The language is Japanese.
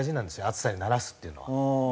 暑さに慣らすっていうのは。